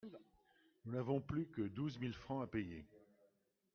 Nous n'avons plus que douze mille francs à payer.